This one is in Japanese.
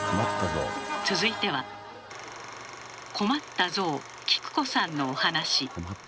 続いては「困った象キク子さん」のお話。